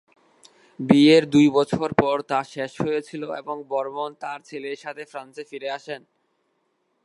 বিয়ের দুই বছর পর তা শেষ হয়েছিল এবং বর্মণ তার ছেলের সাথে ফ্রান্সে ফিরে আসেন।